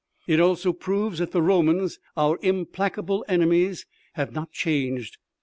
"It also proves that the Romans, our implacable enemies, have not changed.